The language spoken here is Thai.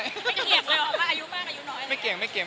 ไม่เกลียดเลยเหรอเพราะอายุมากอายุน้อย